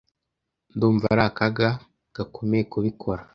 Ndumva ari akaga gakomeye kubikora.